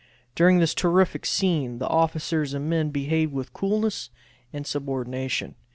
During this terrific scene the officers and men behaved with coolness and subordination.